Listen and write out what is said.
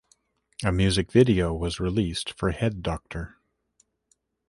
A music video was released for Head Doctor.